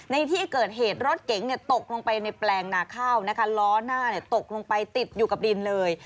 ในที่เกิดเหตุรถเก๋งตกลงไปในแปลงนาข้าวนะคะล้อหน้าตกลงไปติดอยู่กับดินเลย